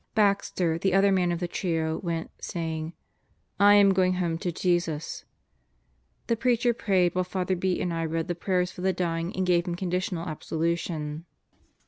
Baxter, the other man of the trio, went saying: "I am going home to Jesus." The Preacher prayed while Father B. and I read the prayers for the dying and gave him conditional absolution.